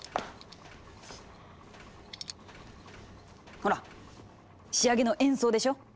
ほら仕上げの演奏でしょ！